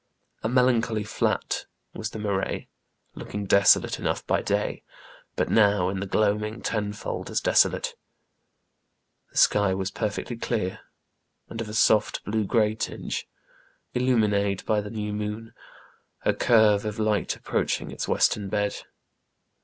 A melancholy flat was the marais, looking desolate enough by day, but now, in the gloaming, tenfold as desolate. The sky was perfectly clear, and of a soft, blue grey tinge ; illumined by the new moon, a curve of light approaching its western bed.